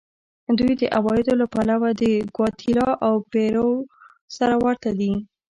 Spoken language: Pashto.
دوی د عوایدو له پلوه د ګواتیلا او پیرو سره ورته دي.